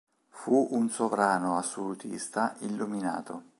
Fu un sovrano assolutista illuminato.